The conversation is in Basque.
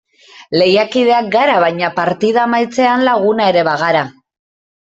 Lehiakideak gara baina partida amaitzean laguna ere bagara.